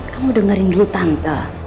kamu dengerin dulu tante